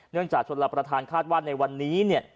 เนื่องจากชนละประทานคาดว่าในวันนี้เนี่ย